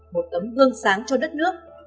một tấm hương sáng cho đất nước